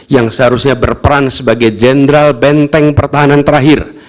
yang seharusnya berperan sebagai jenderal benteng pertahanan terakhir